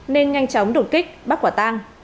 nên nhanh chóng đột kích bắt quả tăng